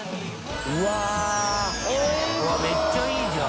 めっちゃいいじゃん。